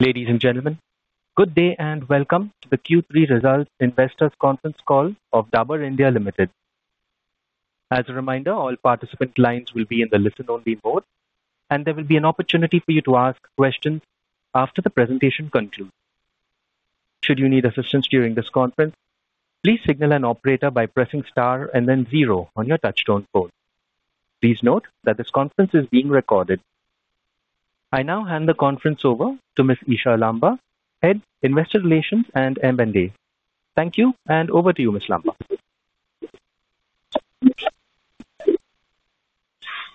Ladies and gentlemen, good day and welcome to the Q3 Results Investors Conference call of Dabur India Limited. As a reminder, all participant lines will be in the listen-only mode, and there will be an opportunity for you to ask questions after the presentation concludes. Should you need assistance during this conference, please signal an operator by pressing star and then zero on your touch-tone phone. Please note that this conference is being recorded. I now hand the conference over to Ms. Isha Lamba, Head Investor Relations and M&A. Thank you, and over to you, Ms. Lamba.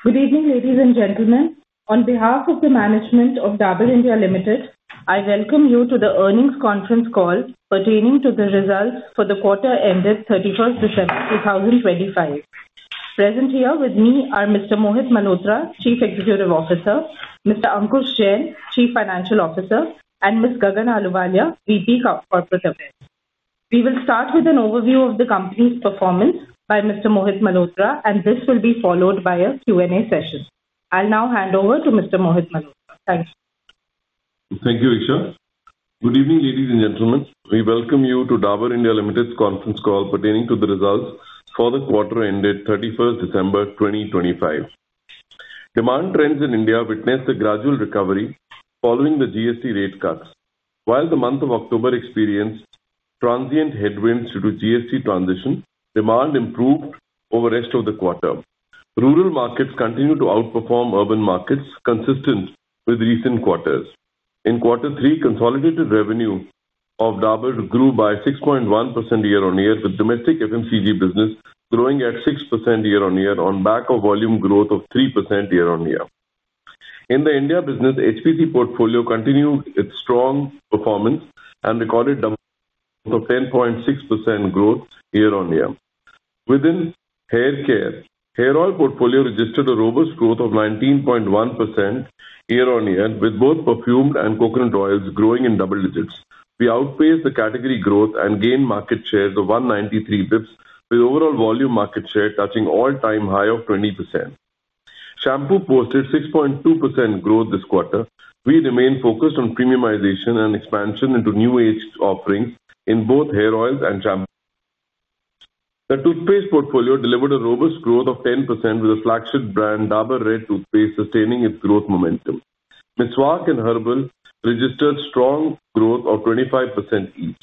Good evening, ladies and gentlemen. On behalf of the management of Dabur India Limited, I welcome you to the earnings conference call pertaining to the results for the quarter ended 31st December 2025. Present here with me are Mr. Mohit Malhotra, Chief Executive Officer, Mr. Ankush Jain, Chief Financial Officer, and Ms. Gagan Ahluwalia, VP Corporate Affairs. We will start with an overview of the company's performance by Mr. Mohit Malhotra, and this will be followed by a Q&A session. I'll now hand over to Mr. Mohit Malhotra. Thank you. Thank you, Isha. Good evening, ladies and gentlemen. We welcome you to Dabur India Limited's conference call pertaining to the results for the quarter ended 31st December 2025. Demand trends in India witnessed a gradual recovery following the GST rate cuts. While the month of October experienced transient headwinds due to GST transition, demand improved over the rest of the quarter. Rural markets continue to outperform urban markets, consistent with recent quarters. In Q3, consolidated revenue of Dabur grew by 6.1% year-on-year, with domestic FMCG business growing at 6% year-on-year on back of volume growth of 3% year-on-year. In the India business, HPC portfolio continued its strong performance and recorded a 10.6% growth year-on-year. Within haircare, the hair oil portfolio registered a robust growth of 19.1% year-on-year, with both perfumed and coconut oils growing in double digits. We outpaced the category growth and gained market share of 193 basis points, with overall volume market share touching an all-time high of 20%. Shampoo posted 6.2% growth this quarter. We remain focused on premiumization and expansion into new-age offerings in both hair oils and shampoo. The toothpaste portfolio delivered a robust growth of 10%, with the flagship brand Dabur Red toothpaste sustaining its growth momentum. Meswak and herbal registered strong growth of 25% each.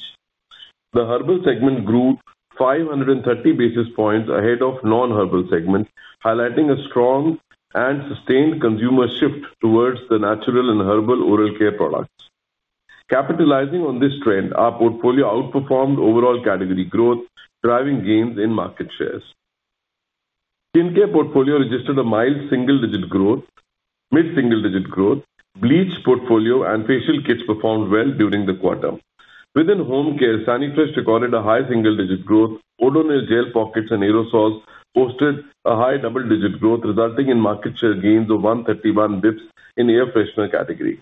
The Herbal segment grew 530 basis points ahead of the non-herbal segment, highlighting a strong and sustained consumer shift towards the natural and herbal oral care products. Capitalizing on this trend, our portfolio outperformed overall category growth, driving gains in market shares. Skincare portfolio registered a mild single-digit growth, mid-single-digit growth. Bleach portfolio and facial kits performed well during the quarter. Within home care, Sanifresh recorded a high single-digit growth. Odonil gel pockets and aerosols posted a high double-digit growth, resulting in market share gains of 131 basis points in the air freshener category.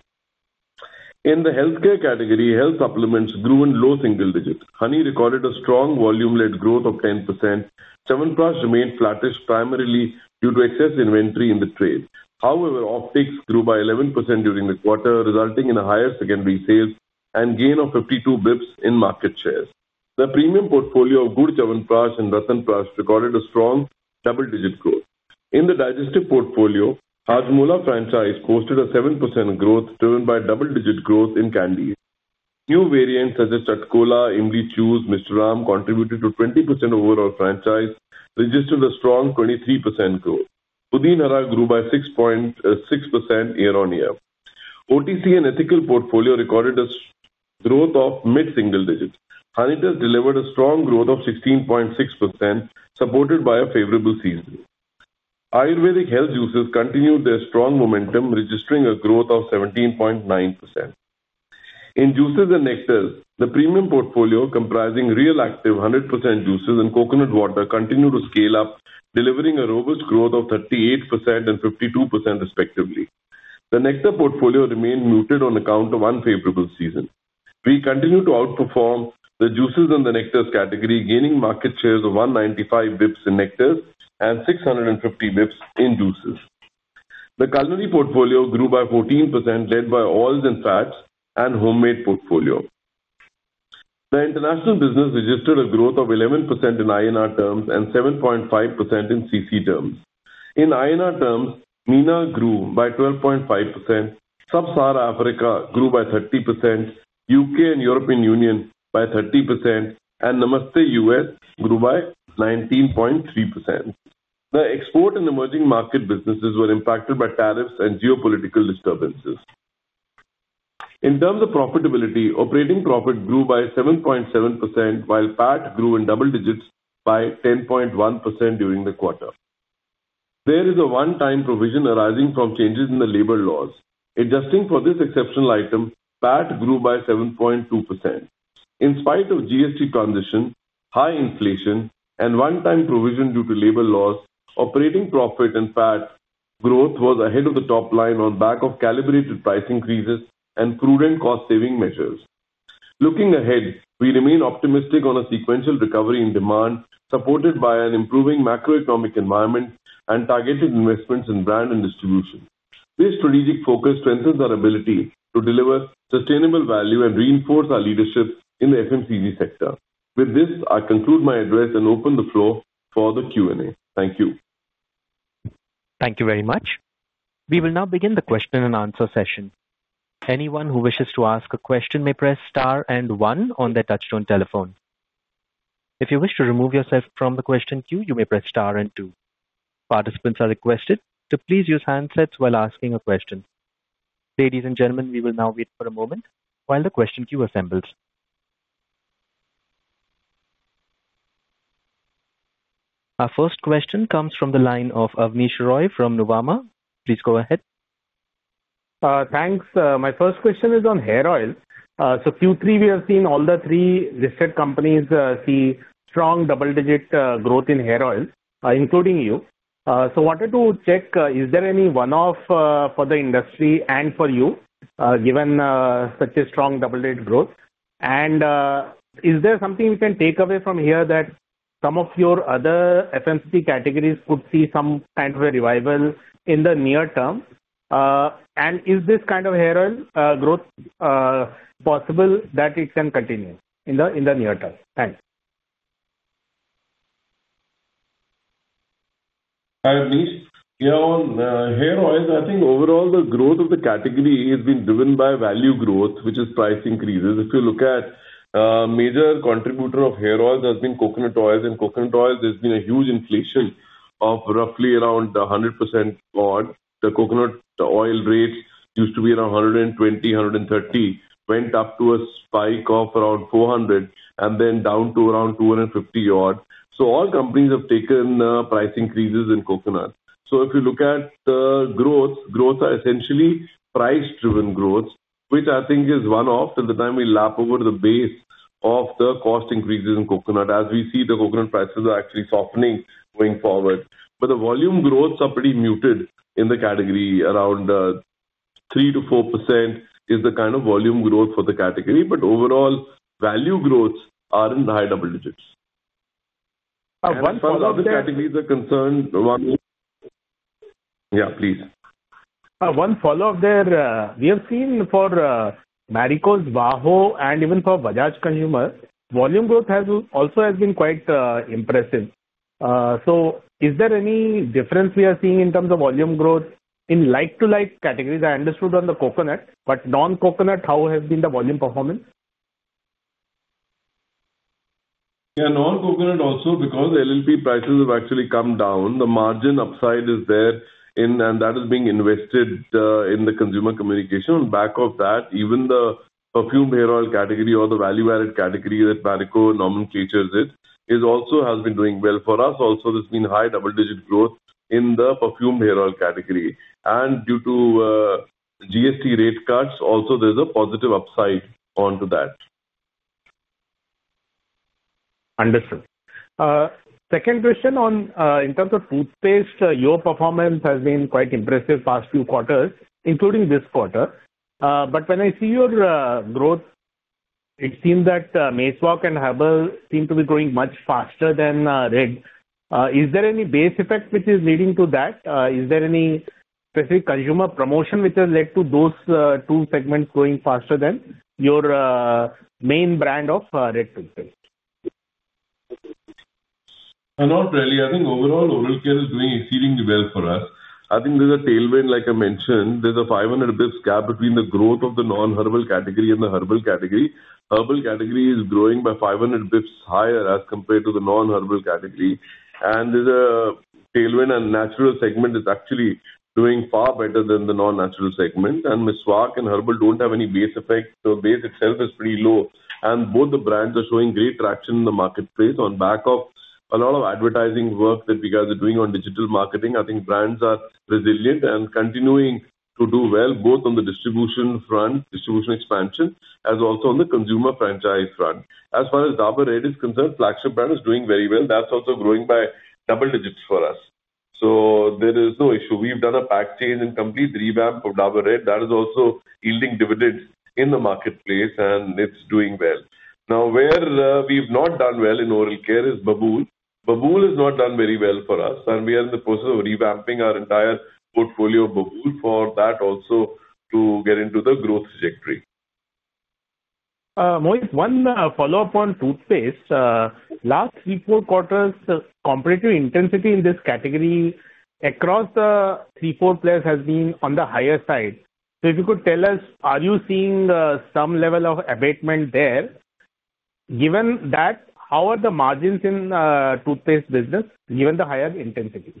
In the healthcare category, health supplements grew in low single digits. Honey recorded a strong volume-led growth of 10%. Chyawanprash remained flattish, primarily due to excess inventory in the trade. However, offtake grew by 11% during the quarter, resulting in a higher secondary sales and gain of 52 basis points in market shares. The premium portfolio of Gold Chyawanprash and Ratanprash recorded a strong double-digit growth. In the digestive portfolio, Hajmola franchise posted a 7% growth, driven by double-digit growth in candy. New variants such as Chatcola, Imli Chuzkara, and Mishram contributed to 20% overall franchise, registering a strong 23% growth. Pudin Hara grew by 6.6% year-on-year. OTC and ethical portfolio recorded a growth of mid-single digits. Honitus delivered a strong growth of 16.6%, supported by a favorable season. Ayurvedic health juices continued their strong momentum, registering a growth of 17.9%. In juices and nectars, the premium portfolio, comprising Real Activ 100% juices and coconut water, continued to scale up, delivering a robust growth of 38% and 52%, respectively. The nectar portfolio remained muted on account of an unfavorable season. We continued to outperform the juices and the nectars category, gaining market shares of 195 basis points in nectars and 650 basis points in juices. The culinary portfolio grew by 14%, led by oils and fats and the homemade portfolio. The international business registered a growth of 11% in INR terms and 7.5% in CC terms. In INR terms, MENA grew by 12.5%, Sub-Saharan Africa grew by 30%, UK and European Union by 30%, and Namaste US grew by 19.3%. The export and emerging market businesses were impacted by tariffs and geopolitical disturbances. In terms of profitability, operating profit grew by 7.7%, while PAT grew in double digits by 10.1% during the quarter. There is a one-time provision arising from changes in the labor laws. Adjusting for this exceptional item, PAT grew by 7.2%. In spite of GST transition, high inflation, and one-time provision due to labor laws, operating profit and PAT growth was ahead of the top line on back of calibrated price increases and prudent cost-saving measures. Looking ahead, we remain optimistic on a sequential recovery in demand, supported by an improving macroeconomic environment and targeted investments in brand and distribution. This strategic focus strengthens our ability to deliver sustainable value and reinforce our leadership in the FMCG sector. With this, I conclude my address and open the floor for the Q&A. Thank you. Thank you very much. We will now begin the question-and-answer session. Anyone who wishes to ask a question may press star and one on their touch-tone telephone. If you wish to remove yourself from the question queue, you may press star and two. Participants are requested to please use handsets while asking a question. Ladies and gentlemen, we will now wait for a moment while the question queue assembles. Our first question comes from the line of Avneesh Roy from Nomura. Please go ahead. Thanks. My first question is on hair oils. So Q3, we have seen all the three listed companies see strong double-digit growth in hair oils, including you. So I wanted to check, is there any one-off for the industry and for you, given such a strong double-digit growth? And is there something we can take away from here that some of your other FMCG categories could see some kind of a revival in the near term? And is this kind of hair oil growth possible that it can continue in the near term? Thanks. Hi, Avneesh. Yeah, on hair oils, I think overall the growth of the category has been driven by value growth, which is price increases. If you look at a major contributor of hair oils, that has been coconut oils. In coconut oils, there's been a huge inflation of roughly around 100% odd. The coconut oil rates used to be around 120-130, went up to a spike of around 400, and then down to around 250 odd. So all companies have taken price increases in coconut. So if you look at the growth, growths are essentially price-driven growths, which I think is one-off at the time we lap over the base of the cost increases in coconut. As we see, the coconut prices are actually softening going forward. But the volume growths are pretty muted in the category. Around 3%-4% is the kind of volume growth for the category. But overall, value growths are in the high double digits. As far as the other categories are concerned, yeah, please. One follow-up there. We have seen for Marico's, HUL, and even for Bajaj consumer, volume growth also has been quite impressive. So is there any difference we are seeing in terms of volume growth in like-for-like categories? I understood on the coconut, but non-coconut, how has been the volume performance? Yeah, non-coconut also, because LLP prices have actually come down. The margin upside is there, and that is being invested in the consumer communication. On back of that, even the perfume hair oil category or the value-added category that Marico nomenclatures it, it also has been doing well. For us also, there's been high double-digit growth in the perfume hair oil category. And due to GST rate cuts, also there's a positive upside onto that. Understood. Second question on in terms of toothpaste, your performance has been quite impressive the past few quarters, including this quarter. When I see your growth, it seems that Meswak and Herbal seem to be growing much faster than Red. Is there any base effect which is leading to that? Is there any specific consumer promotion which has led to those two segments growing faster than your main brand of Red toothpaste? Not really. I think overall, oral care is doing exceedingly well for us. I think there's a tailwind, like I mentioned. There's a 500 basis points gap between the growth of the non-herbal category and the herbal category. Herbal category is growing by 500 basis points higher as compared to the non-herbal category. And there's a tailwind, and the natural segment is actually doing far better than the non-natural segment. And Miswak and Herbal don't have any base effect, so base itself is pretty low. And both the brands are showing great traction in the marketplace on back of a lot of advertising work that you guys are doing on digital marketing. I think brands are resilient and continuing to do well both on the distribution front, distribution expansion, as well as on the consumer franchise front. As far as Dabur Red is concerned, flagship brand is doing very well. That's also growing by double digits for us. There is no issue. We've done a pack change and complete revamp of Dabur Red. That is also yielding dividends in the marketplace, and it's doing well. Now, where we've not done well in oral care is Babool. Babool has not done very well for us, and we are in the process of revamping our entire portfolio of Babool for that also to get into the growth trajectory. Mohit, one follow-up on toothpaste. Last 3-4 quarters, competitive intensity in this category across the 3-4 players has been on the higher side. If you could tell us, are you seeing some level of abatement there? Given that, how are the margins in the toothpaste business given the higher intensity?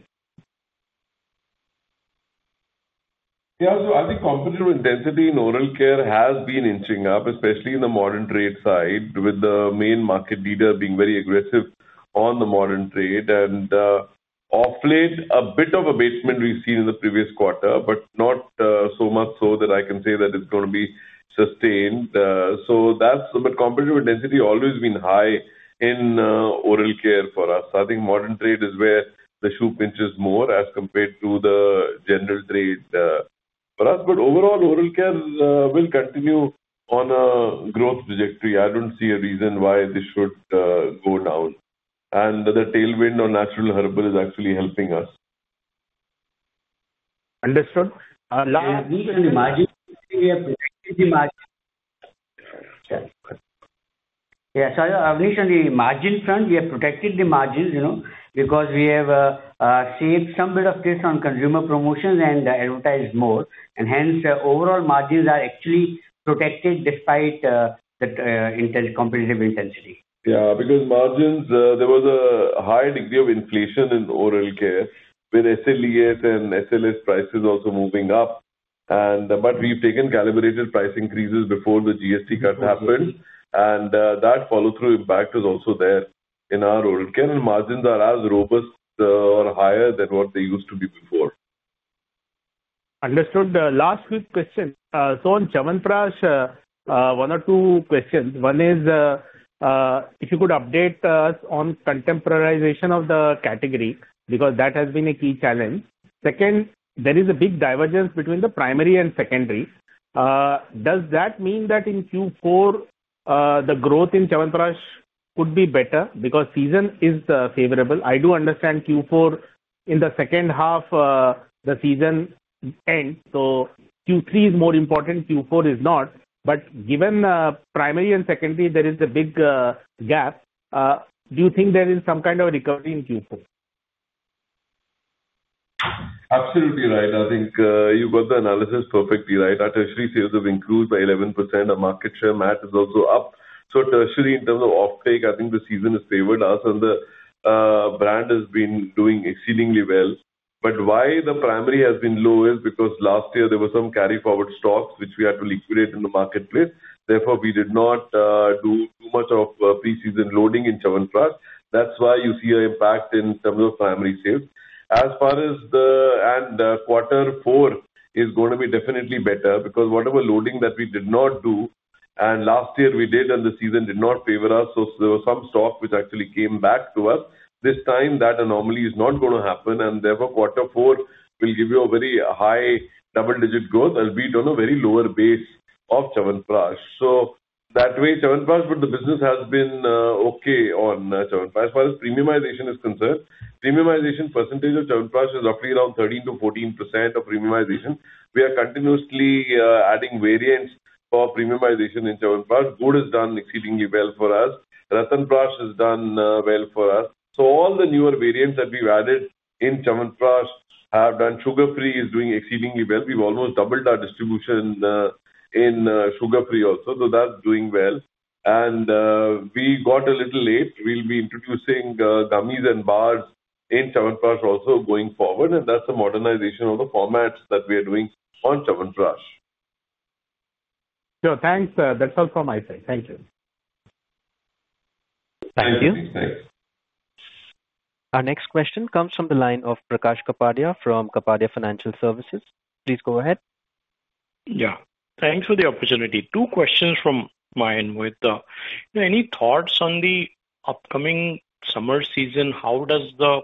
Yeah, so I think competitive intensity in oral care has been inching up, especially in the modern trade side, with the main market leader being very aggressive on the modern trade. Of late, a bit of abatement we've seen in the previous quarter, but not so much so that I can say that it's going to be sustained. So that's a bit competitive intensity always been high in oral care for us. I think modern trade is where the shoe pinches more as compared to the general trade for us. Overall, oral care will continue on a growth trajectory. I don't see a reason why this should go down. The tailwind on natural herbal is actually helping us. Understood. Yeah, so Avneesh, on the margin front, we have protected the margins because we have saved some bit of cost on consumer promotions and advertised more. And hence, overall margins are actually protected despite the competitive intensity. Yeah, because margins, there was a high degree of inflation in oral care with SLES and SLS prices also moving up. But we've taken calibrated price increases before the GST cut happened, and that follow-through impact is also there in our oral care. Margins are as robust or higher than what they used to be before. Understood. Last quick question. So on Chyawanprash, one or two questions. One is if you could update us on contemporization of the category because that has been a key challenge. Second, there is a big divergence between the primary and secondary. Does that mean that in Q4, the growth in Chyawanprash could be better because season is favorable? I do understand Q4 in the second half of the season ends. So Q3 is more important, Q4 is not. But given primary and secondary, there is a big gap. Do you think there is some kind of recovery in Q4? Absolutely right. I think you got the analysis perfectly right. Our tertiary sales have increased by 11%. Our market share, Matt, is also up. So tertiary in terms of offtake, I think the season has favored us, and the brand has been doing exceedingly well. But why the primary has been low is because last year there were some carry-forward stocks which we had to liquidate in the marketplace. Therefore, we did not do too much of pre-season loading in Chyawanprash. That's why you see an impact in terms of primary sales. As far as the quarter four is going to be definitely better because whatever loading that we did not do, and last year we did, and the season did not favor us. So there were some stocks which actually came back to us. This time, that anomaly is not going to happen. Therefore, quarter four will give you a very high double-digit growth and beat on a very lower base of Chyawanprash. So that way, Chyawanprash, but the business has been okay on Chyawanprash. As far as premiumization is concerned, premiumization percentage of Chyawanprash is roughly around 13%-14% of premiumization. We are continuously adding variants for premiumization in Chyawanprash. Gold has done exceedingly well for us. Ratanprash has done well for us. So all the newer variants that we've added in Chyawanprash have done. Sugar-free is doing exceedingly well. We've almost doubled our distribution in sugar-free also. So that's doing well. And we got a little late. We'll be introducing gummies and bars in Chyawanprash also going forward. And that's the modernization of the formats that we are doing on Chyawanprash. Sure. Thanks. That's all from my side. Thank you. Thank you. Thanks. Our next question comes from the line of Prakash Kapadia from Kapadia Financial Services. Please go ahead. Yeah. Thanks for the opportunity. Two questions from my end. Any thoughts on the upcoming summer season? How does the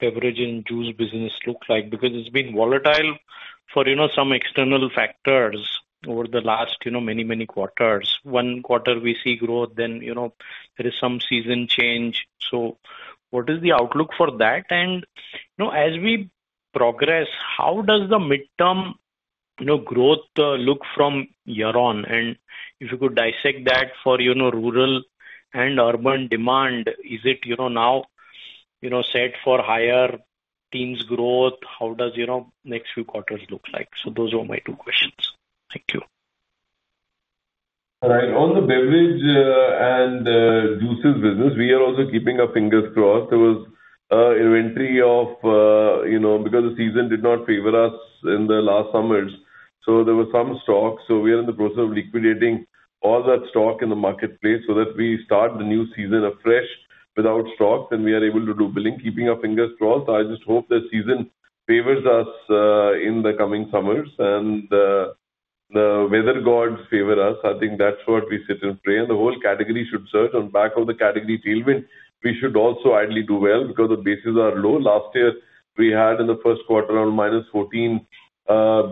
beverage and juice business look like? Because it's been volatile for some external factors over the last many, many quarters. One quarter, we see growth, then there is some season change. So what is the outlook for that? And as we progress, how does the midterm growth look from year on? And if you could dissect that for rural and urban demand, is it now set for higher teens growth? How does the next few quarters look like? So those were my two questions. Thank you. All right. On the beverage and juices business, we are also keeping our fingers crossed. There was an inventory buildup because the season did not favor us in the last summers. So there were some stocks. So we are in the process of liquidating all that stock in the marketplace so that we start the new season afresh without stocks, and we are able to do billing, keeping our fingers crossed. I just hope the season favors us in the coming summers and the weather gods favor us. I think that's what we sit and pray. The whole category should surge on the back of the category tailwind. We should also ideally do well because the bases are low. Last year, we had in the first quarter around -14%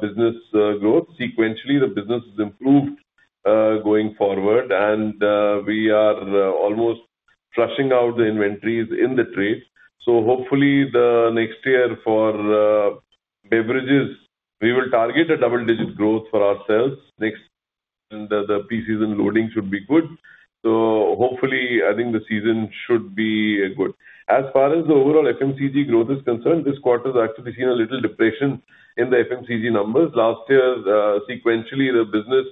business growth. Sequentially, the business has improved going forward, and we are almost flushing out the inventories in the trade. So hopefully, the next year for beverages, we will target a double-digit growth for ourselves. Next season, the pre-season loading should be good. So hopefully, I think the season should be good. As far as the overall FMCG growth is concerned, this quarter has actually seen a little depression in the FMCG numbers. Last year, sequentially, the business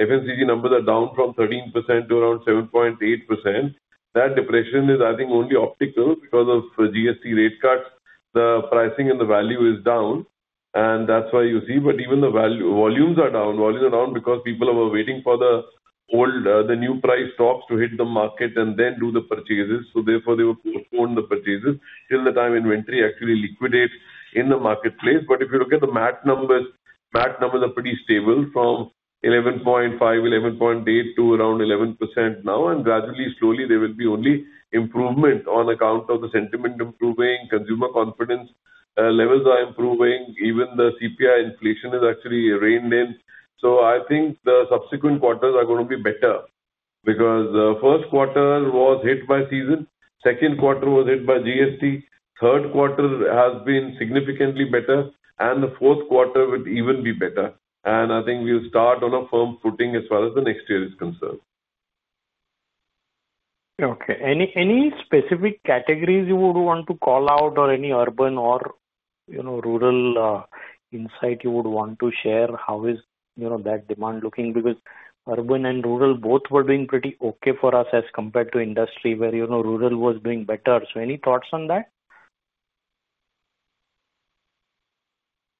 FMCG numbers are down from 13% to around 7.8%. That depression is, I think, only optical because of GST rate cuts. The pricing and the value is down, and that's why you see. But even the volumes are down. Volumes are down because people are waiting for the new price stocks to hit the market and then do the purchases. So therefore, they will postpone the purchases till the time inventory actually liquidates in the marketplace. But if you look at the MAT numbers, MAT numbers are pretty stable from 11.5%, 11.8% to around 11% now. And gradually, slowly, there will be only improvement on account of the sentiment improving. Consumer confidence levels are improving. Even the CPI inflation has actually reined in. So I think the subsequent quarters are going to be better because the first quarter was hit by season, second quarter was hit by GST, third quarter has been significantly better, and the fourth quarter would even be better. And I think we will start on a firm footing as far as the next year is concerned. Okay. Any specific categories you would want to call out or any urban or rural insight you would want to share? How is that demand looking? Because urban and rural both were doing pretty okay for us as compared to industry where rural was doing better. So any thoughts on that?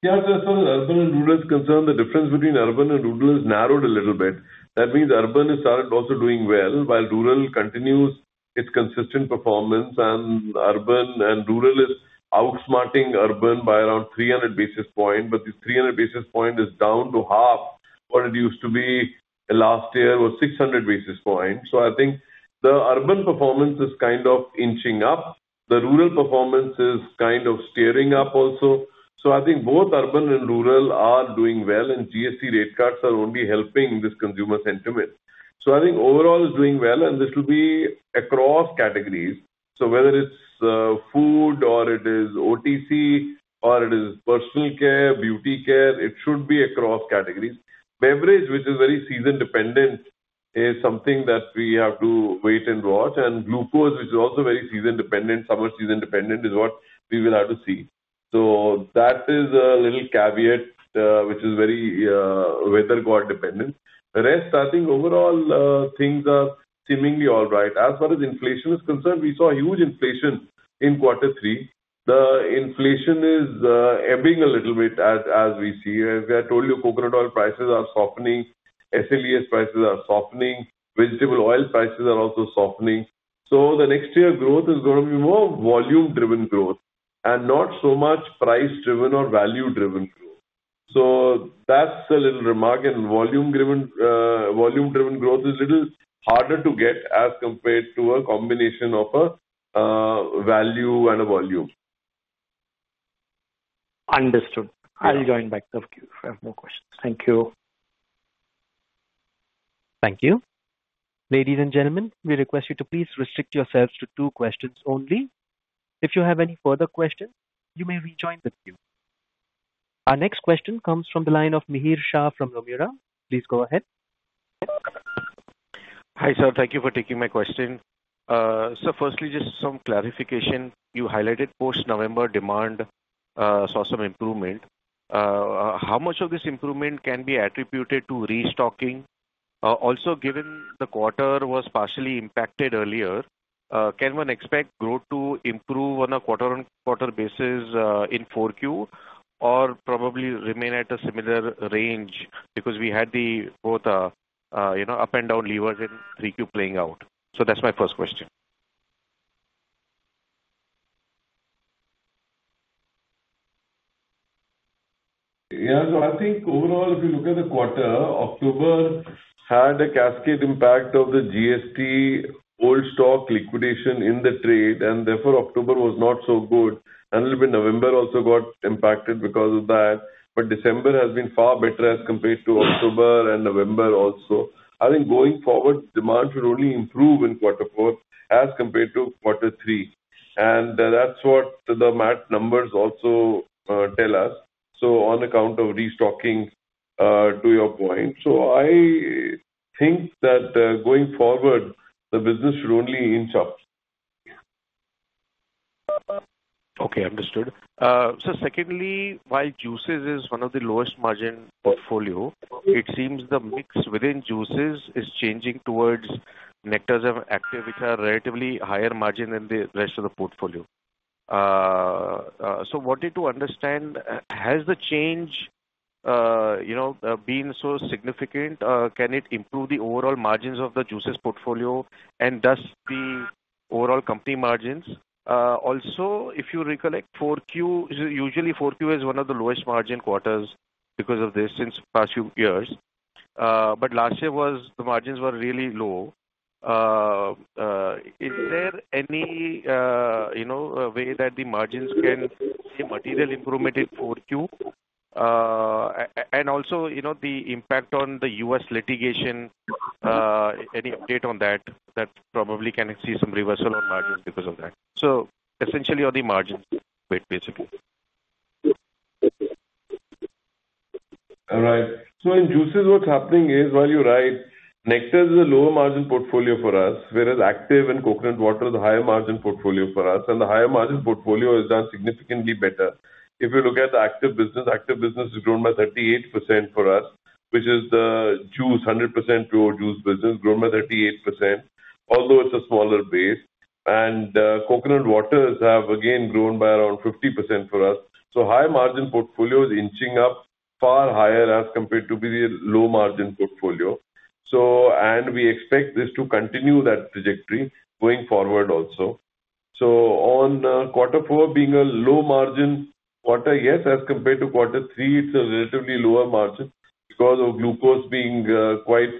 Yeah. So as far as urban and rural is concerned, the difference between urban and rural has narrowed a little bit. That means urban has started also doing well while rural continues its consistent performance. And urban and rural is outsmarting urban by around 300 basis points. But this 300 basis points is down to half what it used to be last year was 600 basis points. So I think the urban performance is kind of inching up. The rural performance is kind of steering up also. So I think both urban and rural are doing well, and GST rate cuts are only helping this consumer sentiment. So I think overall is doing well, and this will be across categories. So whether it's food or it is OTC or it is personal care, beauty care, it should be across categories. Beverage, which is very season-dependent, is something that we have to wait and watch. And glucose, which is also very season-dependent, summer season-dependent, is what we will have to see. So that is a little caveat, which is very weather god dependent. The rest, I think overall things are seemingly all right. As far as inflation is concerned, we saw huge inflation in quarter three. The inflation is ebbing a little bit as we see. As I told you, coconut oil prices are softening, SLES prices are softening, vegetable oil prices are also softening. So the next year growth is going to be more volume-driven growth and not so much price-driven or value-driven growth. So that's a little remark. And volume-driven growth is a little harder to get as compared to a combination of a value and a volume. Understood. I'll join back if I have more questions. Thank you. Thank you. Ladies and gentlemen, we request you to please restrict yourselves to two questions only. If you have any further questions, you may rejoin the queue. Our next question comes from the line of Mihir Shah from Nomura. Please go ahead. Hi, sir. Thank you for taking my question. Firstly, just some clarification. You highlighted post-November demand saw some improvement. How much of this improvement can be attributed to restocking? Also, given the quarter was partially impacted earlier, can one expect growth to improve on a quarter-on-quarter basis in 4Q or probably remain at a similar range because we had both up and down levers in 3Q playing out? That's my first question. Yeah. So I think overall, if you look at the quarter, October had a cascade impact of the GST old stock liquidation in the trade. And therefore, October was not so good. And a little bit November also got impacted because of that. But December has been far better as compared to October and November also. I think going forward, demand should only improve in quarter four as compared to quarter three. And that's what the MAT numbers also tell us. So on account of restocking, to your point. So I think that going forward, the business should only inch up. Okay. Understood. So secondly, while juices is one of the lowest margin portfolio, it seems the mix within juices is changing towards nectars and active, which are relatively higher margin than the rest of the portfolio. So wanted to understand, has the change been so significant? Can it improve the overall margins of the juices portfolio and thus the overall company margins? Also, if you recollect, 4Q, usually 4Q is one of the lowest margin quarters because of this since past few years. But last year was the margins were really low. Is there any way that the margins can see material improvement in 4Q? And also the impact on the U.S. litigation, any update on that? That probably can see some reversal on margins because of that. So essentially on the margin basically. All right. So in juices, what's happening is, while you're right, nectar is a lower margin portfolio for us, whereas active and coconut water is a higher margin portfolio for us. And the higher margin portfolio has done significantly better. If you look at the active business, active business has grown by 38% for us, which is the juice, 100% pure juice business, grown by 38%, although it's a smaller base. And coconut waters have, again, grown by around 50% for us. So high margin portfolio is inching up far higher as compared to the low margin portfolio. And we expect this to continue that trajectory going forward also. So on quarter four being a low margin quarter, yes, as compared to quarter three, it's a relatively lower margin because of glucose being quite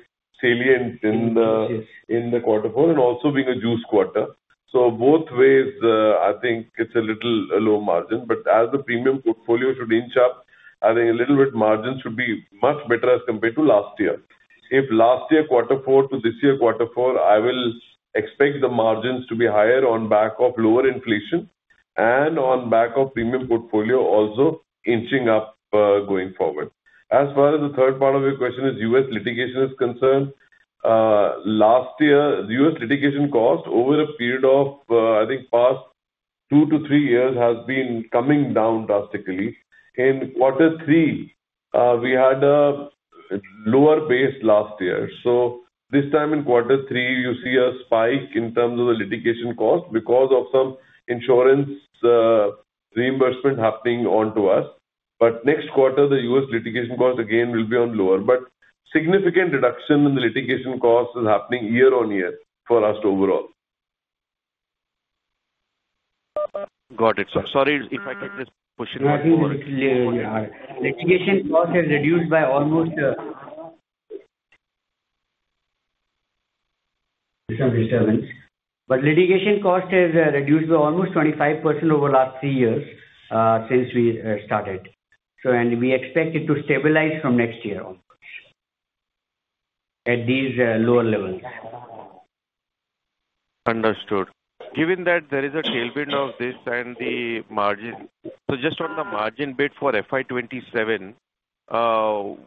salient in the quarter four and also being a juice quarter. So both ways, I think it's a little low margin. But as the premium portfolio should inch up, I think a little bit margin should be much better as compared to last year. If last year quarter four to this year quarter four, I will expect the margins to be higher on back of lower inflation and on back of premium portfolio also inching up going forward. As far as the third part of your question is U.S. litigation is concerned, last year, U.S. litigation cost over a period of, I think, past 2 to 3 years has been coming down drastically. In quarter three, we had a lower base last year. So this time in quarter three, you see a spike in terms of the litigation cost because of some insurance reimbursement happening onto us. But next quarter, the U.S. litigation cost again will be on lower. Significant reduction in the litigation cost is happening year on year for us overall. Got it. Sorry if I get this pushing back. Yeah. But litigation cost has reduced by almost 25% over the last three years since we started. And we expect it to stabilize from next year at these lower levels. Understood. Given that there is a tailwind of this and the margin, so just on the margin bid for FI27,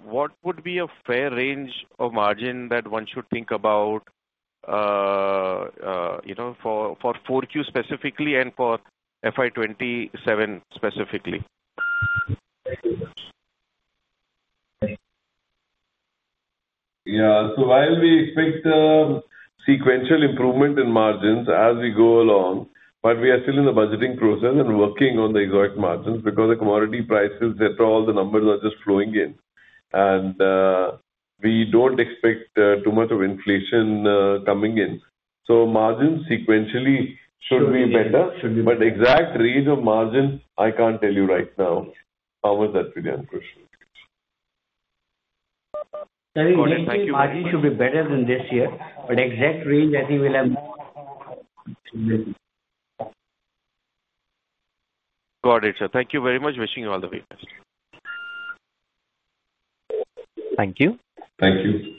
what would be a fair range of margin that one should think about for 4Q specifically and for FI27 specifically? Yeah. So while we expect sequential improvement in margins as we go along, but we are still in the budgeting process and working on the exact margins because the commodity prices, all the numbers are just flowing in. We don't expect too much of inflation coming in. Margins sequentially should be better. Exact range of margin, I can't tell you right now. How was that for you, Ankush? Margin should be better than this year. But exact range, I think we'll have. Got it, sir. Thank you very much for your wishing. Wishing you all the very best. Thank you. Thank you.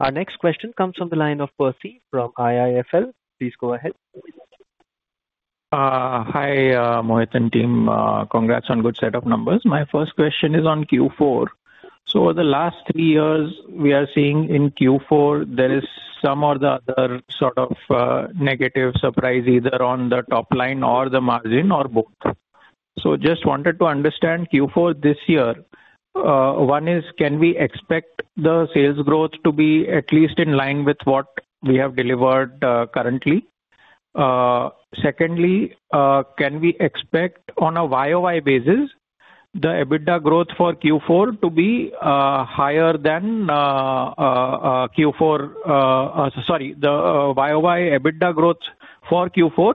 Our next question comes from the line of Percy from IIFL. Please go ahead. Hi, Mohit and team. Congrats on good set of numbers. My first question is on Q4. So the last 3 years, we are seeing in Q4, there is some or the other sort of negative surprise either on the top line or the margin or both. So just wanted to understand Q4 this year. One is, can we expect the sales growth to be at least in line with what we have delivered currently? Secondly, can we expect on a year-over-year basis, the EBITDA growth for Q4 to be higher than Q4? Sorry, the year-over-year EBITDA growth for Q4,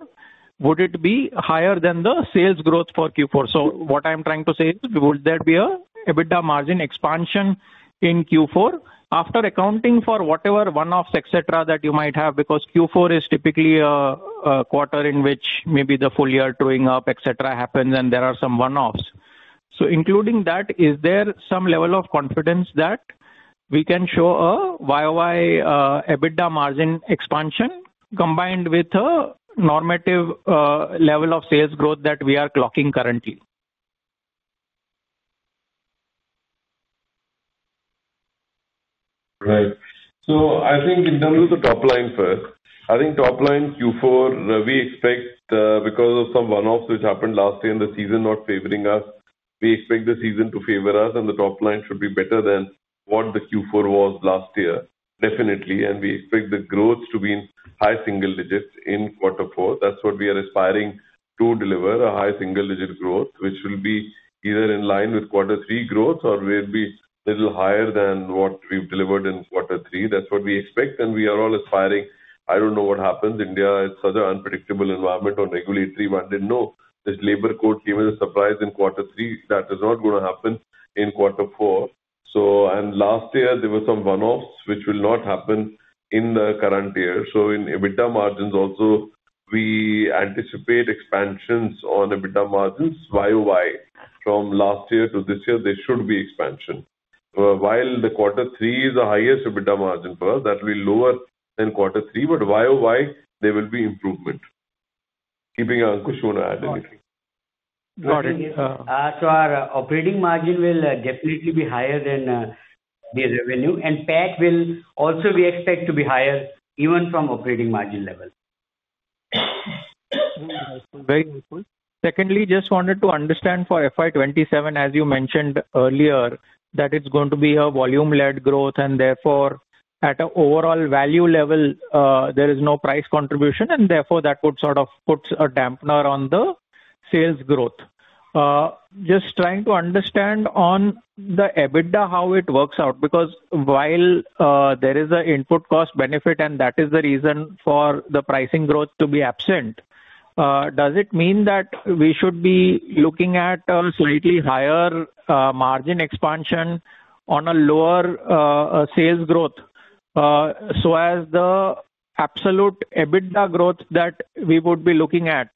would it be higher than the sales growth for Q4? So what I'm trying to say is, would there be an EBITDA margin expansion in Q4 after accounting for whatever one-offs, etc., that you might have? Because Q4 is typically a quarter in which maybe the full year trueing up, etc., happens, and there are some one-offs. So including that, is there some level of confidence that we can show a YOY EBITDA margin expansion combined with a normative level of sales growth that we are clocking currently? Right. So I think in terms of the top line first, I think top line Q4, we expect because of some one-offs which happened last year in the season not favoring us, we expect the season to favor us, and the top line should be better than what the Q4 was last year, definitely. And we expect the growth to be in high single digits in quarter four. That's what we are aspiring to deliver, a high single digit growth, which will be either in line with quarter three growth or will be a little higher than what we've delivered in quarter three. That's what we expect. And we are all aspiring. I don't know what happens. India is such an unpredictable environment on regulatory margin. No, this labor code came as a surprise in quarter three. That is not going to happen in quarter four. Last year, there were some one-offs which will not happen in the current year. In EBITDA margins also, we anticipate expansions on EBITDA margins YOY from last year to this year. There should be expansion. While the quarter three is the highest EBITDA margin for us, that will be lower than quarter three. YOY, there will be improvement. Keeping Ankush on ahead of you. Got it. So our operating margin will definitely be higher than the revenue. And PAC will also, we expect, to be higher even from operating margin level. Very useful. Secondly, just wanted to understand for FI27, as you mentioned earlier, that it's going to be a volume-led growth, and therefore at an overall value level, there is no price contribution, and therefore that would sort of put a damper on the sales growth. Just trying to understand on the EBITDA how it works out, because while there is an input cost benefit, and that is the reason for the pricing growth to be absent, does it mean that we should be looking at a slightly higher margin expansion on a lower sales growth? So as the absolute EBITDA growth that we would be looking at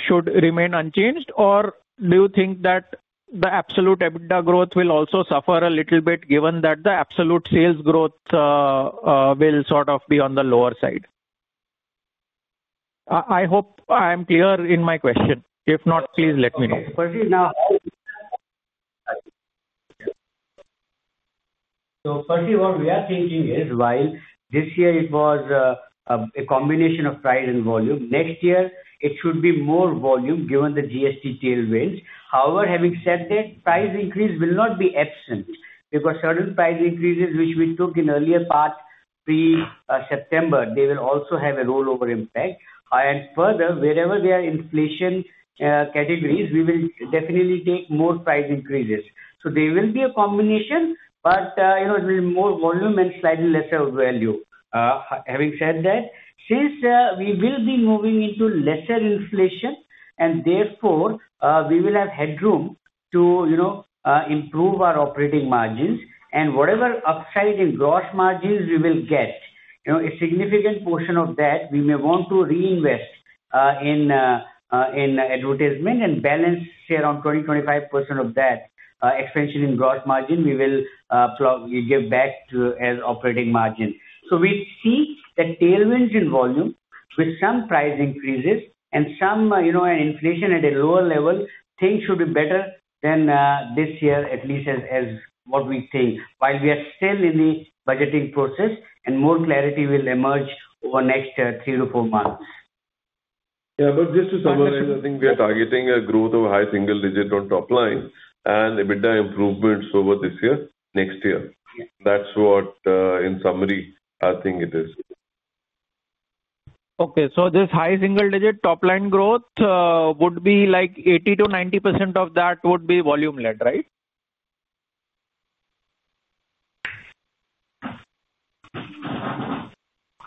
should remain unchanged, or do you think that the absolute EBITDA growth will also suffer a little bit given that the absolute sales growth will sort of be on the lower side? I hope I am clear in my question. If not, please let me know. So first of all, we are thinking is while this year it was a combination of price and volume, next year it should be more volume given the GST tailwinds. However, having said that, price increase will not be absent because certain price increases which we took in earlier part pre-September, they will also have a rollover impact. And further, wherever there are inflation categories, we will definitely take more price increases. So there will be a combination, but it will be more volume and slightly lesser value. Having said that, since we will be moving into lesser inflation, and therefore we will have headroom to improve our operating margins. And whatever upside in gross margins we will get, a significant portion of that we may want to reinvest in advertisement and balance around 20%-25% of that expansion in gross margin we will give back as operating margin. So we see that tailwinds in volume with some price increases and some inflation at a lower level, things should be better than this year, at least as what we think. While we are still in the budgeting process, and more clarity will emerge over next three to four months. Yeah. But just to summarize, I think we are targeting a growth of high single digit on top line and EBITDA improvements over this year, next year. That's what in summary I think it is. Okay. So this high single digit top line growth would be like 80%-90% of that would be volume-led, right?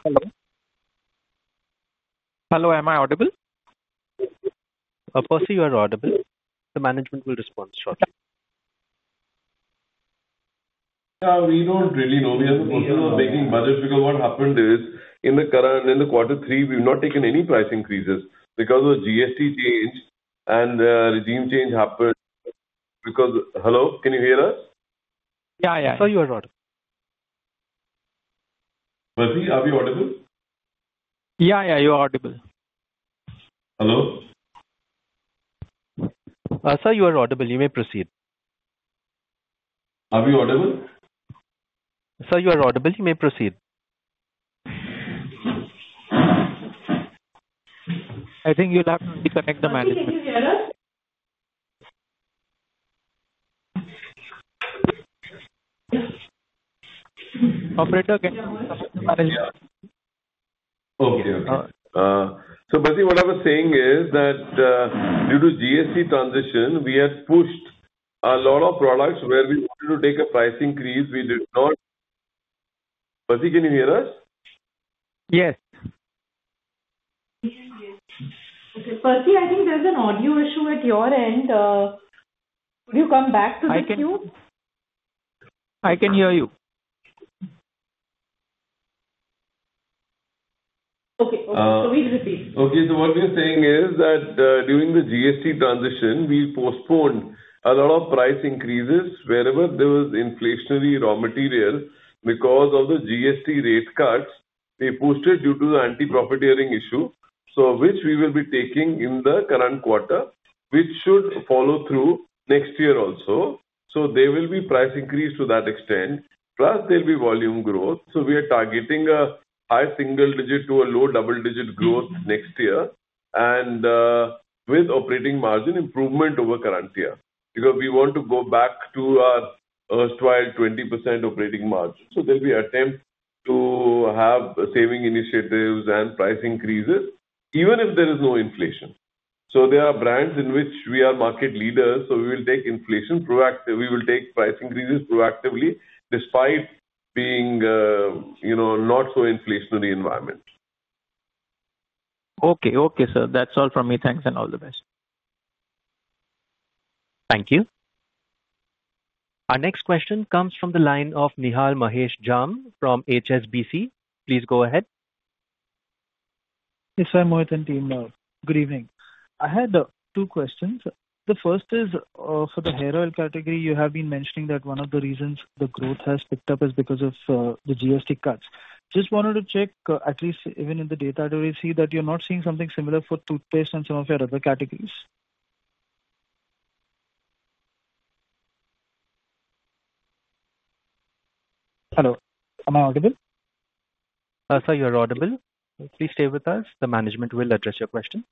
Hello. Hello. Am I audible? Percy, you are audible. The management will respond shortly. Yeah. We don't really know. We are supposed to be making budgets because what happened is in the quarter three, we've not taken any price increases because of GST change and regime change happened. Because hello? Can you hear us? Yeah, yeah. You are audible. Percy, are we audible? Yeah, yeah. You are audible. Hello? You are audible. You may proceed. Are we audible? You are audible. You may proceed. I think you'll have to reconnect the management. Operator again. Okay, okay. So Percy, what I was saying is that due to GST transition, we had pushed a lot of products where we wanted to take a price increase. We did not. Percy, can you hear us? Yes. Percy, I think there's an audio issue at your end. Could you come back to the cue? I can hear you. Okay. So we'll repeat. Okay. So what we are saying is that during the GST transition, we postponed a lot of price increases wherever there was inflationary raw material because of the GST rate cuts they posted due to the anti-profiteering issue, which we will be taking in the current quarter, which should follow through next year also. So there will be price increase to that extent. Plus, there will be volume growth. So we are targeting a high single digit to a low double digit growth next year with operating margin improvement over current year because we want to go back to our historical 20% operating margin. So there will be attempt to have saving initiatives and price increases even if there is no inflation. So there are brands in which we are market leaders. So we will take inflation proactive. We will take price increases proactively despite being not so inflationary environment. Okay, okay, sir. That's all from me. Thanks and all the best. Thank you. Our next question comes from the line of Nihal Mahesh Jham from HSBC. Please go ahead. Yes, I'm Mohit and team. Good evening. I had two questions. The first is for the hair oil category. You have been mentioning that one of the reasons the growth has picked up is because of the GST cuts. Just wanted to check, at least even in the data that we see, that you're not seeing something similar for toothpaste and some of your other categories? Hello. Am I audible? You're audible. Please stay with us. The management will address your question.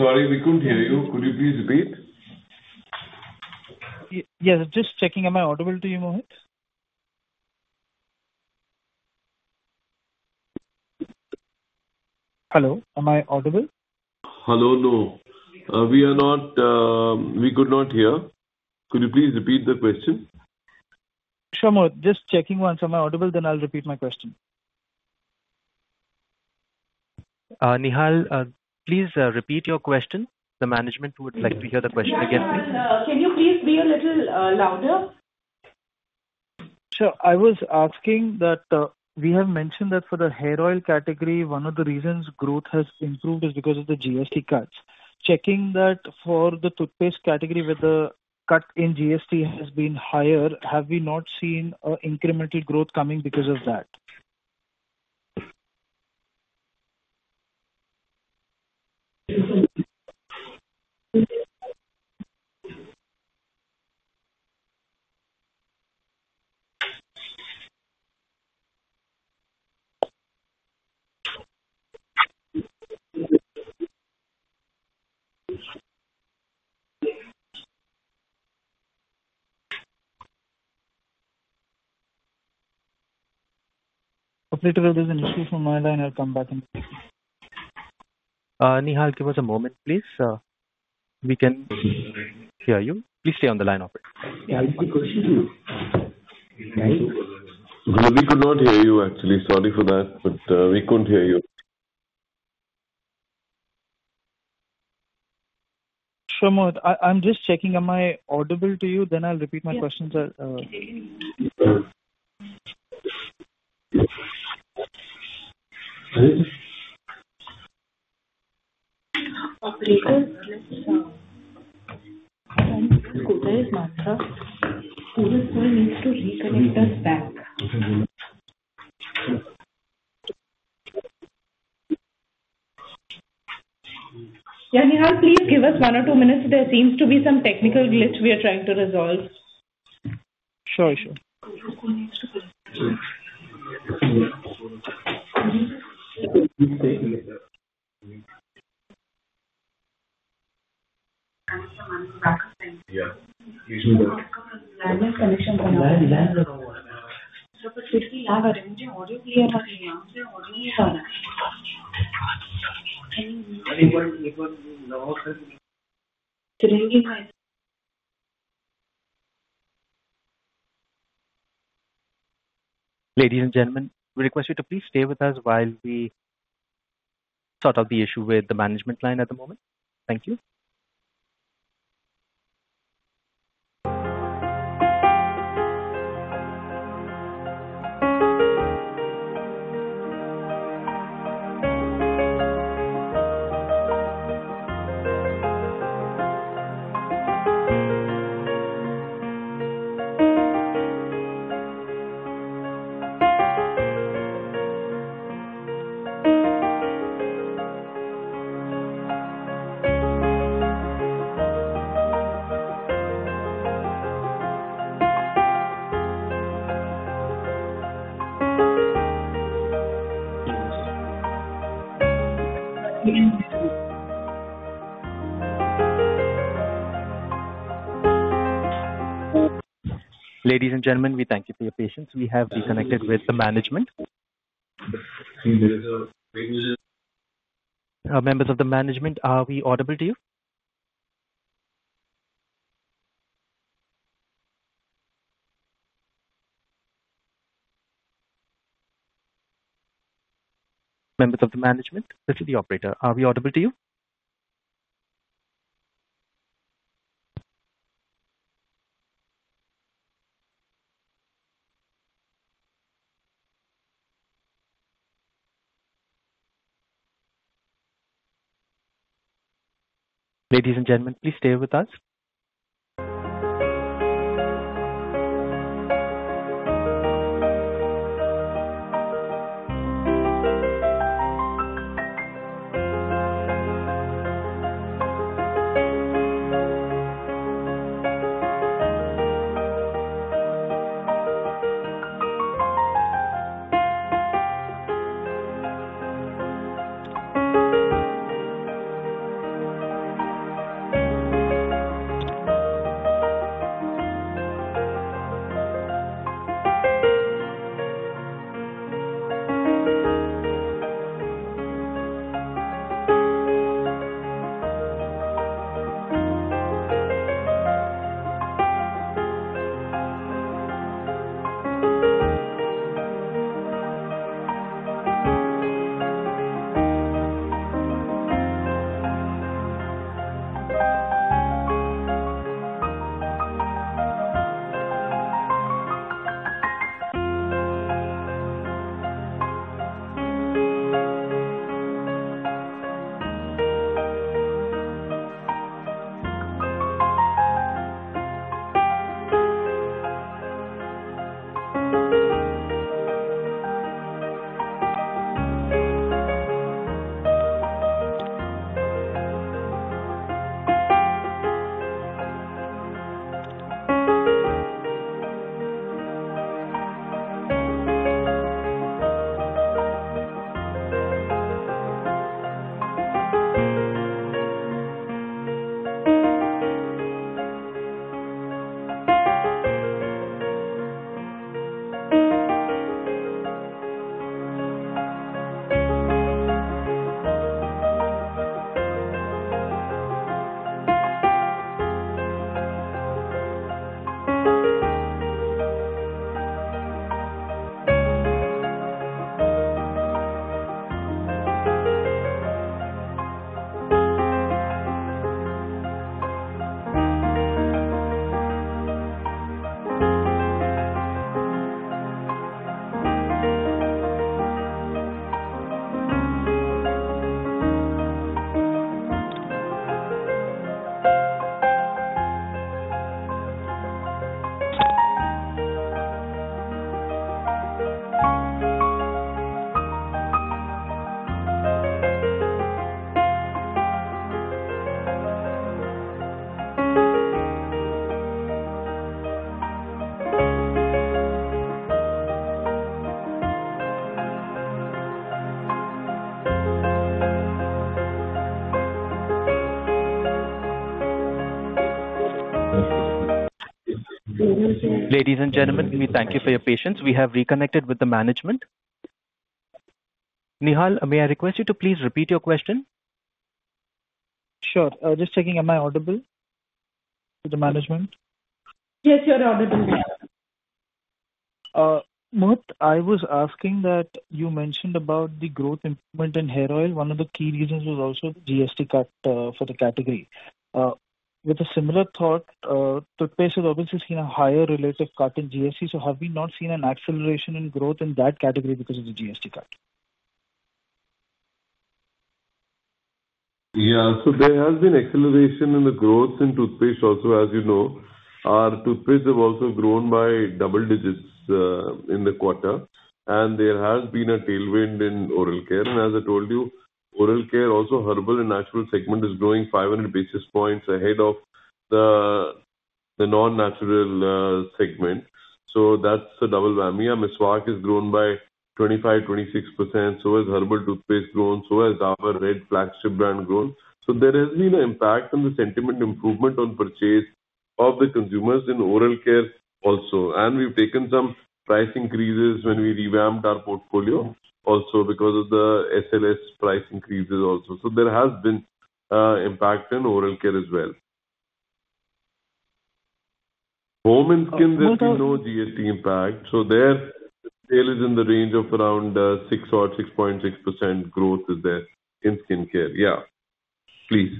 Sorry, we couldn't hear you. Could you please repeat? Yes. Just checking. Am I audible to you, Mohit? Hello. Am I audible? Hello. No. We could not hear. Could you please repeat the question? Sure, Mohit. Just checking once. Am I audible? Then I'll repeat my question. Nihal, please repeat your question. The management would like to hear the question again, please. Can you please be a little louder? Sure. I was asking that we have mentioned that for the hair oil category, one of the reasons growth has improved is because of the GST cuts. Checking that for the toothpaste category with the cut in GST has been higher, have we not seen incremental growth coming because of that? Okay. There's an issue from my line. I'll come back and. Nihal, give us a moment, please. We can hear you. Please stay on the line of it. We could not hear you, actually. Sorry for that, but we couldn't hear you. Sure, Mohit. I'm just checking. Am I audible to you? Then I'll repeat my questions. Yeah, Nihal, please give us one or two minutes. There seems to be some technical glitch we are trying to resolve. Sure, sure. Ladies and gentlemen, we request you to please stay with us while we sort out the issue with the management line at the moment. Thank you. Ladies and gentlemen, we thank you for your patience. We have reconnected with the management. Members of the management, are we audible to you? Members of the management, this is the operator. Are we audible to you? Ladies and gentlemen, please stay with us. Ladies and gentlemen, we thank you for your patience. We have reconnected with the management. Nihal, may I request you to please repeat your question? Sure. Just checking. Am I audible to the management? Yes, you're audible. Mohit, I was asking that you mentioned about the growth improvement in hair oil. One of the key reasons was also GST cut for the category. With a similar thought, toothpaste has obviously seen a higher relative cut in GST. So have we not seen an acceleration in growth in that category because of the GST cut? Yeah. So there has been acceleration in the growth in toothpaste also, as you know. Our toothpaste have also grown by double digits in the quarter. And there has been a tailwind in oral care. And as I told you, oral care, also herbal and natural segment is growing 500 basis points ahead of the non-natural segment. So that's the double whammy. Miswak has grown by 25%-26%. So has herbal toothpaste grown. So has Dabur Red, flagship brand grown. So there has been an impact on the sentiment improvement on purchase of the consumers in oral care also. And we've taken some price increases when we revamped our portfolio also because of the SLS price increases also. So there has been an impact in oral care as well. Home and skin, there's been no GST impact. There is in the range of around 6.6% growth is there in skincare. Yeah, please.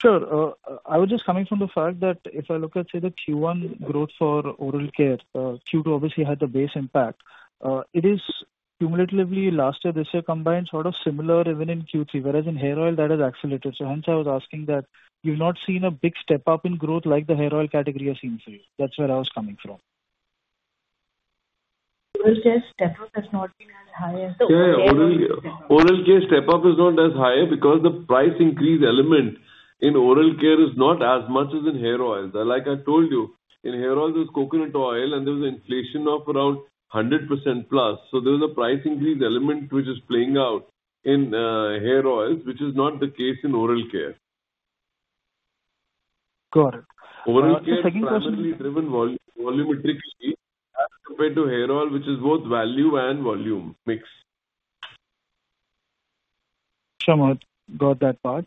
Sure. I was just coming from the fact that if I look at, say, the Q1 growth for oral care, Q2 obviously had the base impact. It is cumulatively last year, this year combined sort of similar even in Q3, whereas in hair oil, that has accelerated. So hence, I was asking that you've not seen a big step up in growth like the hair oil category has seen for you. That's where I was coming from. Oral care step up has not been as high as the oral care. Yeah, yeah. Oral care step up is not as high because the price increase element in oral care is not as much as in hair oils. Like I told you, in hair oils, there's coconut oil, and there's an inflation of around 100% plus. So there is a price increase element which is playing out in hair oils, which is not the case in oral care. Got it. Oral care is largely driven volumetrically as compared to hair oil, which is both value and volume mix. Sure, Mohit. Got that part.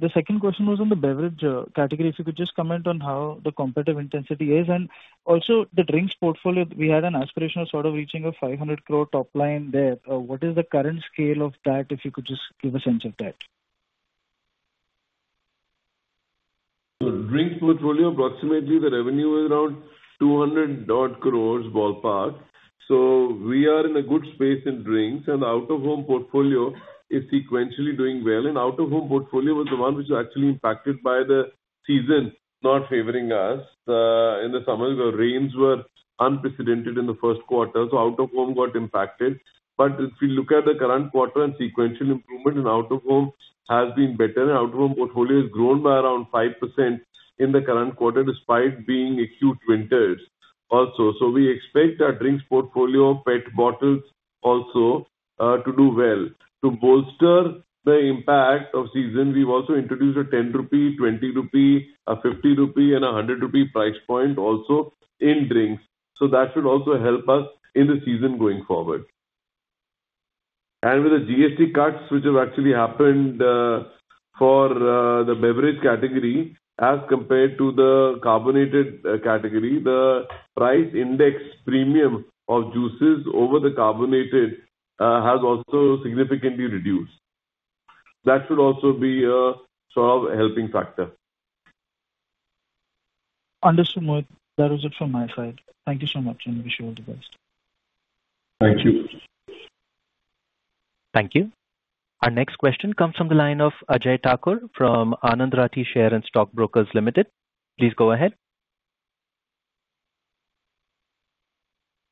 The second question was on the beverage category. If you could just comment on how the competitive intensity is. And also, the drinks portfolio, we had an aspiration of sort of reaching an 500 crore top line there. What is the current scale of that, if you could just give a sense of that? So, drinks portfolio—approximately the revenue is around 200 crore ballpark. So we are in a good space in drinks, and the out-of-home portfolio is sequentially doing well. And out-of-home portfolio was the one which was actually impacted by the season not favoring us. In the summer, the rains were unprecedented in the first quarter, so out-of-home got impacted. But if we look at the current quarter and sequential improvement in out-of-home has been better. Out-of-home portfolio has grown by around 5% in the current quarter despite being acute winters also. So we expect our drinks portfolio, PET bottles also, to do well. To bolster the impact of season, we've also introduced a 10 rupee, 20 rupee, 50 rupee, and 100 rupee price point also in drinks. So that should also help us in the season going forward. With the GST cuts, which have actually happened for the beverage category as compared to the carbonated category, the price index premium of juices over the carbonated has also significantly reduced. That should also be a sort of helping factor. Understood, Mohit. That was it from my side. Thank you so much, and wish you all the best. Thank you. Thank you. Our next question comes from the line of Ajay Thakur from Anand Rathi Share and Stock Brokers Limited. Please go ahead.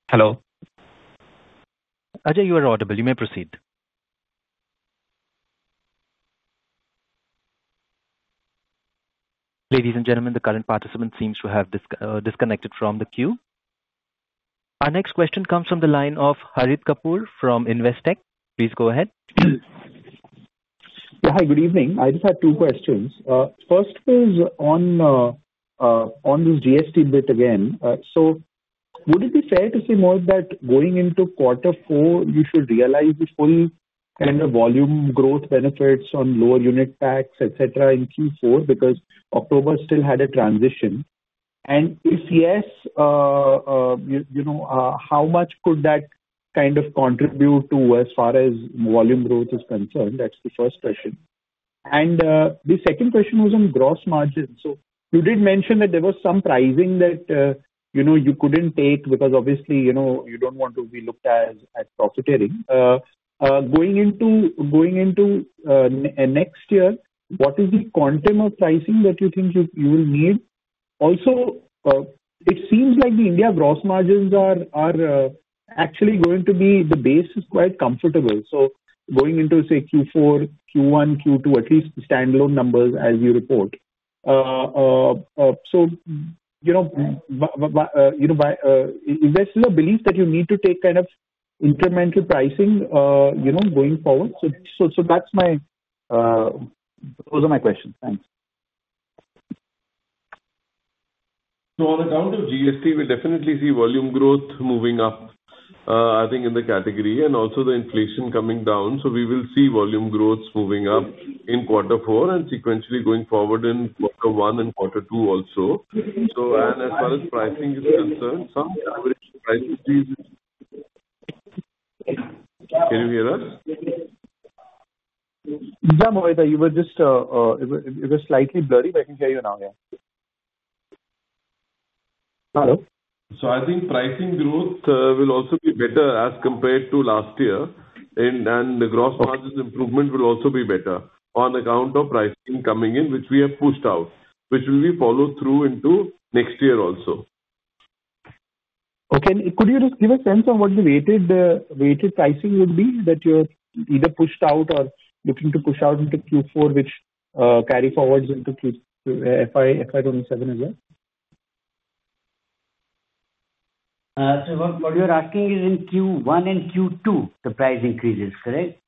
Hello. Ajay, you are audible. You may proceed. Ladies and gentlemen, the current participant seems to have disconnected from the queue. Our next question comes from the line of Harith Kapur from Investec. Please go ahead. Yeah, hi, good evening. I just had two questions. First is on this GST bit again. So would it be fair to say, Mohit, that going into quarter four, you should realize the full kind of volume growth benefits on lower unit tax, etc., in Q4 because October still had a transition? And if yes, how much could that kind of contribute to as far as volume growth is concerned? That's the first question. And the second question was on gross margin. So you did mention that there was some pricing that you couldn't take because obviously you don't want to be looked at as profiteering. Going into next year, what is the quantum of pricing that you think you will need? Also, it seems like the India gross margins are actually going to be the base is quite comfortable. So going into, say, Q4, Q1, Q2, at least standalone numbers as you report. So is there still a belief that you need to take kind of incremental pricing going forward? So those are my questions. Thanks. So on account of GST, we'll definitely see volume growth moving up, I think, in the category, and also the inflation coming down. So we will see volume growth moving up in quarter four and sequentially going forward in quarter one and quarter two also. And as far as pricing is concerned, some average prices, please. Can you hear us? Yeah, Mohit, you were just slightly blurry, but I can hear you now, yeah. Hello? I think pricing growth will also be better as compared to last year. The gross margin improvement will also be better on account of pricing coming in, which we have pushed out, which will be followed through into next year also. Okay. Could you just give a sense of what the weighted pricing would be that you're either pushed out or looking to push out into Q4, which carry forwards into QFI 27 as well? What you're asking is in Q1 and Q2, the price increases, correct?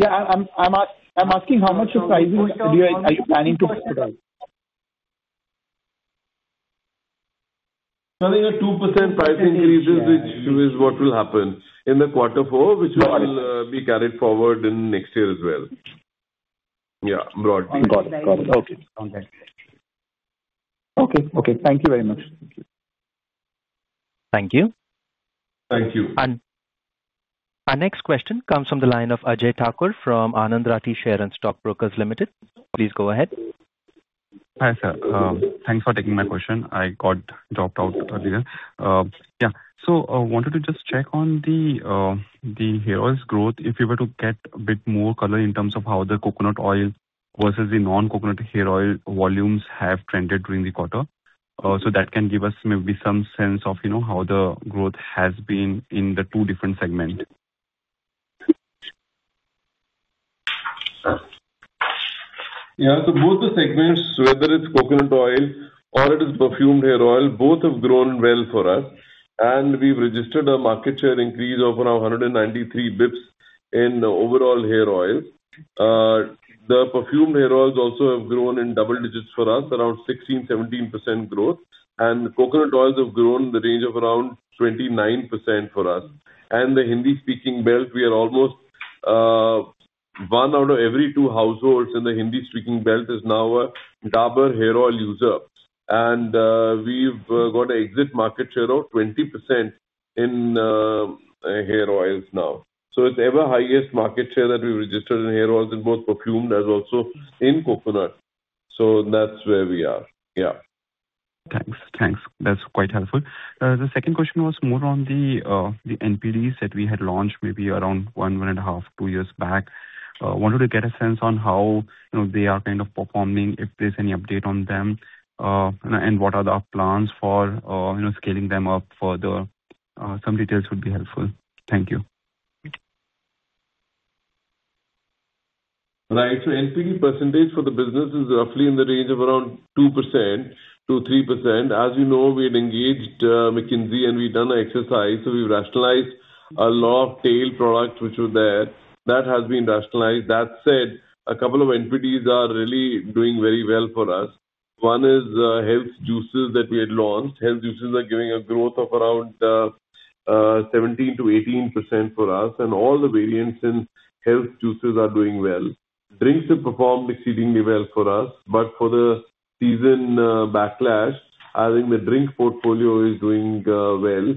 Yeah, I'm asking how much of pricing are you planning to put out? So there are 2% price increases, which is what will happen in the quarter four, which will be carried forward in next year as well. Yeah, broadly. Got it. Got it. Okay. Okay. Thank you very much. Thank you. Thank you. Our next question comes from the line of Ajay Thakur from Anand Rathi Shares and Stock Brokers Limited. Please go ahead. Hi, sir. Thanks for taking my question. I got dropped out earlier. Yeah. So I wanted to just check on the hair oils growth. If you were to get a bit more color in terms of how the coconut oil versus the non-coconut hair oil volumes have trended during the quarter, so that can give us maybe some sense of how the growth has been in the two different segments. Yeah. So both the segments, whether it's coconut oil or it is perfumed hair oil, both have grown well for us. We've registered a market share increase of around 193 basis points in overall hair oils. The perfumed hair oils also have grown in double digits for us, around 16%-17% growth. Coconut oils have grown in the range of around 29% for us. In the Hindi-speaking belt, we are almost one out of every two households in the Hindi-speaking belt is now a Dabur hair oil user. We've got an exit market share of 20% in hair oils now. It's ever highest market share that we've registered in hair oils, in both perfumed as well in coconut. That's where we are. Yeah. Thanks. Thanks. That's quite helpful. The second question was more on the NPDs that we had launched maybe around 1, 1.5, 2 years back. Wanted to get a sense on how they are kind of performing, if there's any update on them, and what are the plans for scaling them up further. Some details would be helpful. Thank you. Right. So NPD percentage for the business is roughly in the range of around 2%-3%. As you know, we had engaged McKinsey, and we've done an exercise. So we've rationalized a lot of tail products which were there. That has been rationalized. That said, a couple of NPDs are really doing very well for us. One is health juices that we had launched. Health juices are giving a growth of around 17%-18% for us. All the variants in health juices are doing well. Drinks have performed exceedingly well for us. But for the season backlash, I think the drink portfolio is doing well.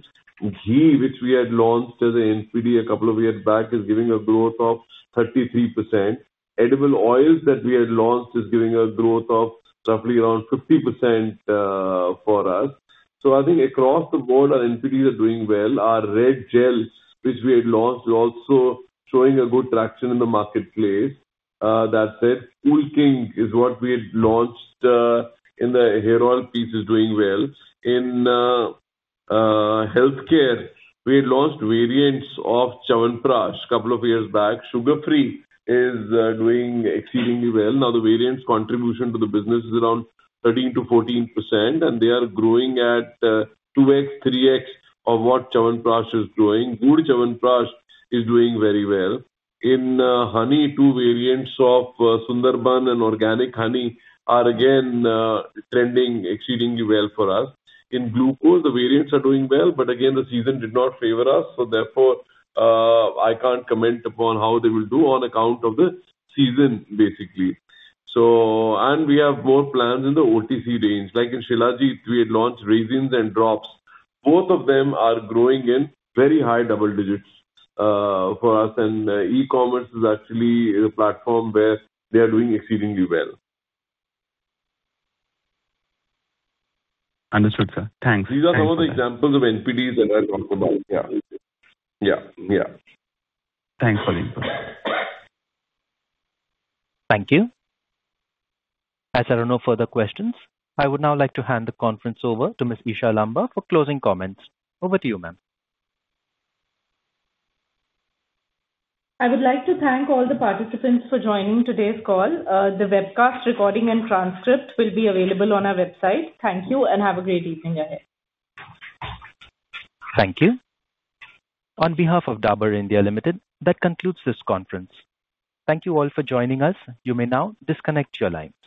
Ghee, which we had launched as an NPD a couple of years back, is giving a growth of 33%. Edible oils that we had launched is giving a growth of roughly around 50% for us. So I think across the board, our NPDs are doing well. Our Red Gel, which we had launched, is also showing a good traction in the marketplace. That said, Cool King is what we had launched in the hair oil piece is doing well. In healthcare, we had launched variants of Chyawanprash a couple of years back. Sugar-free is doing exceedingly well. Now, the variants' contribution to the business is around 13%-14%, and they are growing at 2x, 3x of what Chyawanprash is doing. Gold Chyawanprash is doing very well. In honey, two variants of Sundarban and organic honey are again trending exceedingly well for us. In glucose, the variants are doing well, but again, the season did not favor us. So therefore, I can't comment upon how they will do on account of the season, basically. We have more plans in the OTC range. Like in Shilajit, we had launched resins and drops. Both of them are growing in very high double digits for us. E-commerce is actually the platform where they are doing exceedingly well. Understood, sir. Thanks. These are some of the examples of NPDs that I talked about. Yeah. Yeah. Yeah. Thanks, Farid. Thank you. As I don't know further questions, I would now like to hand the conference over to Ms. Isha Lamba for closing comments. Over to you, ma'am. I would like to thank all the participants for joining today's call. The webcast recording and transcript will be available on our website. Thank you, and have a great evening, Ajay. Thank you. On behalf of Dabur India Limited, that concludes this conference. Thank you all for joining us. You may now disconnect your lines.